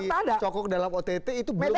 meskipun di cokok dalam ott itu belum tentunya